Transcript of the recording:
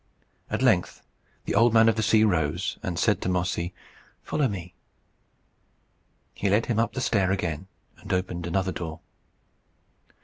At length the Old Man of the Sea rose, and said to Mossy, "Follow me." He led him up the stair again, and opened another door.